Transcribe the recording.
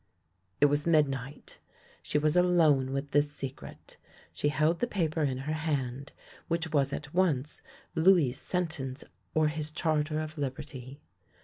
It was midnight. She was alone with this secret. She held the paper in her hand, which was at once Louis' sentence or his charter of liberty.